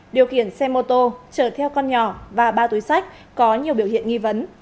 điều khiển xe mô tô chở theo con nhỏ và ba túi sách có nhiều biểu hiện nghi vấn